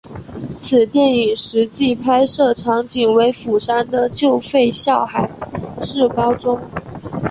此电影实际拍摄场景为釜山的旧废校海事高中。